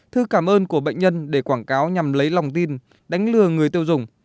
thư cảm ơn của bệnh nhân để quảng cáo nhằm lấy lòng tin đánh lừa người tiêu dùng